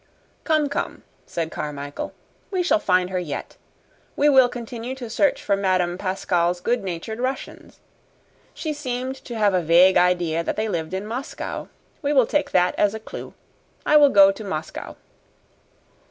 "Come, come," said Carmichael. "We shall find her yet. We will continue to search for Madame Pascal's good natured Russians. She seemed to have a vague idea that they lived in Moscow. We will take that as a clue. I will go to Moscow."